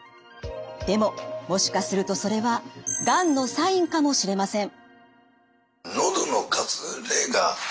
でももしかするとそれはがんのサインかもしれません。